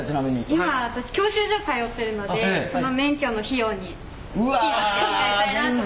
今私教習所通ってるのでその免許の費用に資金として使いたいなと思います。